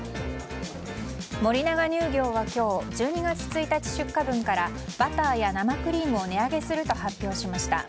森永乳業は今日１２月１日出荷分からバターや生クリームを値上げすると発表しました。